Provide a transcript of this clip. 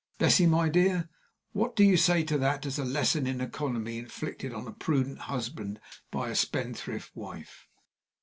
Bessie, my dear, what do you say to that as a lesson in economy inflicted on a prudent husband by a spendthrift wife?"